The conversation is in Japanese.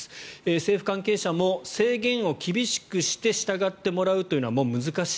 政府関係者も制限を厳しくして従ってもらうというのはもう難しい。